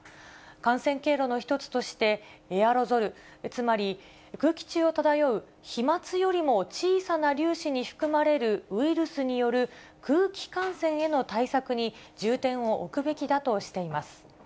感染経路の一つとして、エアロゾル、つまり、空気中を漂う飛まつよりも小さな粒子に含まれるウイルスによる空気感染への対策に重点を置くべきだとしています。